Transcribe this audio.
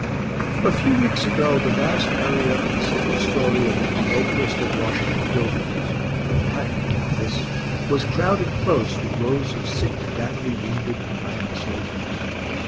A few weeks ago the vast area of the second story of that noblest of Washington buildings, the Patent office, was crowded close with rows of sick, badly wounded, and dying soldiers.